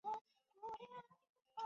故事以第一人称讲述。